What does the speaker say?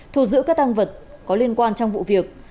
thu giữ các tăng vật có liên quan trong vụ việc